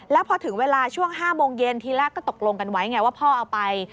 แล้วพอถึงเวลาช่วง๕โมงเย็นทีแรกก็ตกลงกันไว้ไงว่าพ่อเอาไป